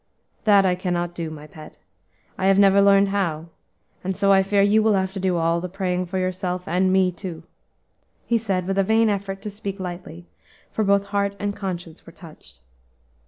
"That I cannot do, my pet, I have never learned how; and so I fear you will have to do all the praying for yourself and me too," he said, with a vain effort to speak lightly, for both heart and conscience were touched.